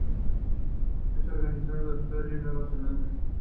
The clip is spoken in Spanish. Es originario de Australia y Nueva Zelanda.